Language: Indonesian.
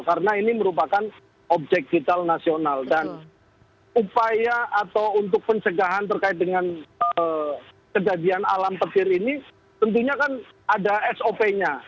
karena ini merupakan objek vital nasional dan upaya atau untuk pencegahan terkait dengan kejadian alam petir ini tentunya kan ada sop nya